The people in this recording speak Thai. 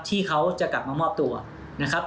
ที่เขาจะกลับมามอบตัวนะครับ